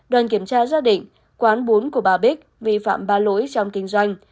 đoàn kiểm tra ra định quán bún của bà bích vi phạm ba lỗi trong kinh doanh